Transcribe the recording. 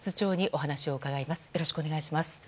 よろしくお願いします。